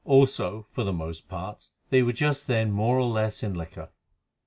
Also, for the most part, they were just then more or less in liquor.